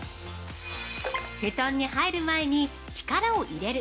◆布団に入る前に「力を入れる」